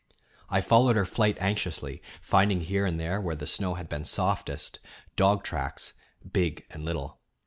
I followed her flight anxiously, finding here and there, where the snow had been softest, dog tracks big and little.